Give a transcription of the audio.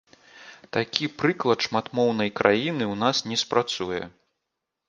Такі прыклад шматмоўнай краіны ў нас не спрацуе.